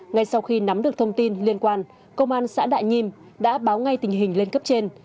ngay sau khi nắm được thông tin liên quan công an xã đại nhiêm đã báo ngay tình hình lên cấp trên